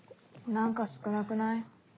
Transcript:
何か少なくない？